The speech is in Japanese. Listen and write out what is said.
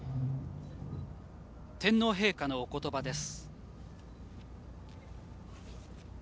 天皇陛下のおことばです。